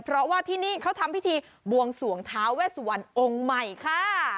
เพราะว่าที่นี่เขาทำพิธีบวงสวงท้าเวสวันองค์ใหม่ค่ะ